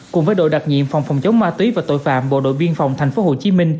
cùng với đội đặc nhiệm phòng phòng chống ma túy và tội phạm bộ đội biên phòng tp hcm